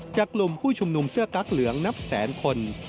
กลุ่มผู้ชุมนุมเสื้อกั๊กเหลืองนับแสนคน